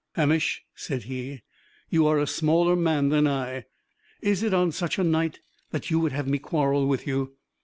"Hamish," said he, "you are a smaller man than I. Is it on such a night that you would have me quarrel with you?